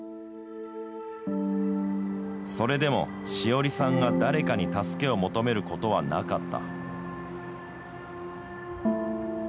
それでも、しおりさんが誰かに助けを求めることはなかった。